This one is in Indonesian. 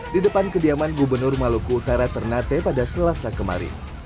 di depan kediaman gubernur maluku utara ternate pada selasa kemarin